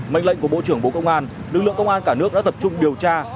mệnh lệnh của bộ trưởng bộ công an lực lượng công an cả nước đã tập trung điều tra